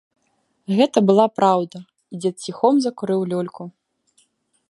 Гэта была праўда, і дзед ціхом закурыў люльку.